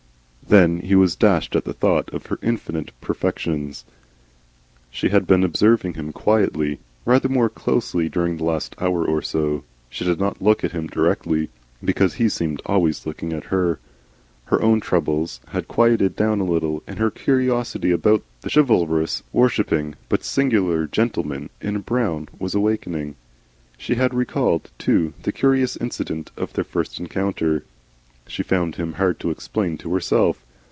Then he was dashed at the thought of her infinite perfections. She had been observing him quietly, rather more closely during the last hour or so. She did not look at him directly because he seemed always looking at her. Her own troubles had quieted down a little, and her curiosity about the chivalrous, worshipping, but singular gentleman in brown, was awakening. She had recalled, too, the curious incident of their first encounter. She found him hard to explain to herself.